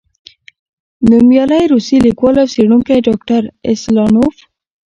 نومیالی روسی لیکوال او څېړونکی، ډاکټر اسلانوف،